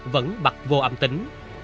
vẫn bật vô âm tính